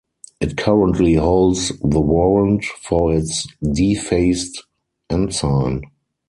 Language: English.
It currently holds the warrant for its defaced ensign.